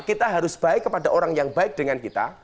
kita harus baik kepada orang yang baik dengan kita